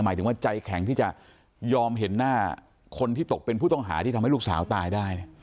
หมายถึงว่าใจแข็งที่จะยอมเห็นหน้าคนที่ตกเป็นผู้ต้องหาที่ทำให้ลูกสาวตายได้